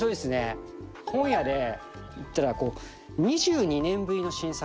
本屋で行ったらこう２２年ぶりの新作って。